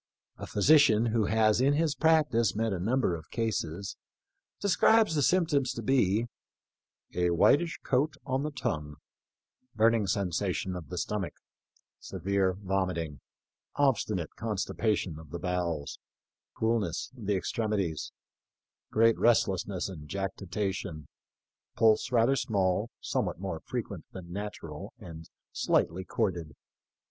A physician, who has in his practice met a number of cases, describes the symptoms to be " a whitish coat on the tongue, burning sensation of the stomach, severe vomiting, obstinate constipa tion of the bowels, coolness of the extremities, great restlessness and jactitation, pulse rather small, somewhat more frequent than natural, and slightly chorded.